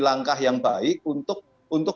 langkah yang baik untuk